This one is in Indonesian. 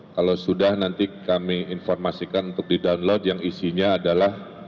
kalau sudah nanti kami informasikan untuk di download yang isinya adalah